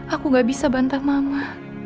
aku gak bisa bantah mama